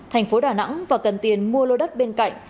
thành phố đà nẵng và cần tiền mua lô đất bên cạnh